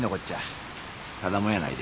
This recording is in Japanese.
ただ者やないで。